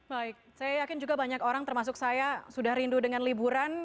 baik saya yakin juga banyak orang termasuk saya sudah rindu dengan liburan